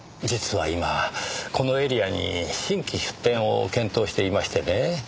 実は今このエリアに新規出店を検討していましてね。